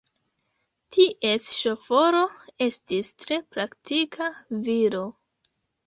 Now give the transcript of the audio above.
Ties ŝoforo estis tre praktika viro.